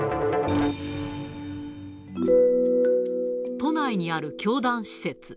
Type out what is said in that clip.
都内にある教団施設。